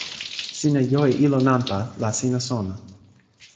sina jo e ilo nanpa, la sina sona.